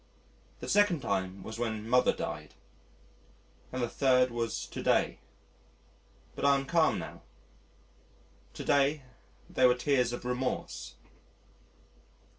The second time was when Mother died, and the third was to day. But I am calm now. To day they were tears of remorse....